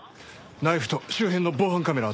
ナイフと周辺の防犯カメラ